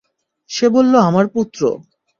সে বলল, আমার পুত্র!